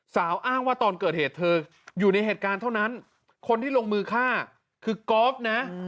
อ้างว่าตอนเกิดเหตุเธออยู่ในเหตุการณ์เท่านั้นคนที่ลงมือฆ่าคือกอล์ฟนะ